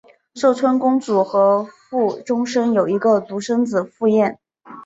寿春公主和傅忠生有一个独生子傅彦。